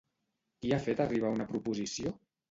Qui ha fet arribar una proposició?